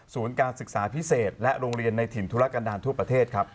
การศึกษาพิเศษและโรงเรียนในถิ่นธุรกันดาลทั่วประเทศครับ